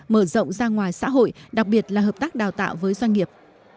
mở rộng ra ngoài xã hội đặc biệt là hợp tác đào tạo với doanh nghiệp